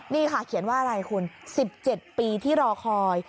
นี่ค่ะเขียนว่าอะไรคุณ๑๗ปีที่รอคอย